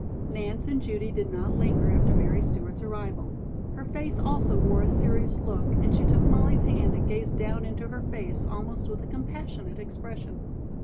Nance and Judy did not linger after Mary Stewart's arrival. Her face also wore a serious look, and she took Molly's hand and gazed down into her face almost with a compassionate expression.